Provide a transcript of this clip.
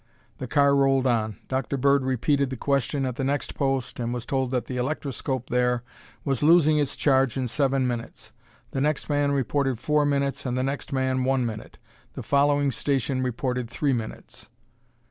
The car rolled on. Dr. Bird repeated the question at the next post and was told that the electroscope there was losing its charge in seven minutes. The next man reported four minutes and the next man, one minute. The following station reported three minutes.